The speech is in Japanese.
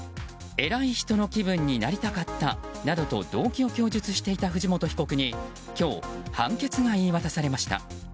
偉い人の気分になりたかったなどと動機を供述していた藤本被告に今日、判決が言い渡されました。